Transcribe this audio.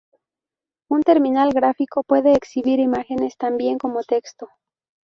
Un terminal gráfico puede exhibir imágenes tan bien como texto.